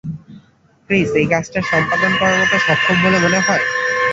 Chris এই কাজটা সম্পাদন করার মতো সক্ষম বলে মনে হয়?